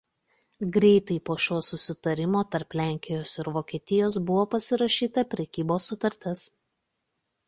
Greitai po šio susitarimo tarp Lenkijos ir Vokietijos buvo pasirašyta prekybos sutartis.